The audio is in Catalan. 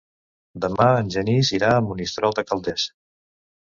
Demà en Genís irà a Monistrol de Calders.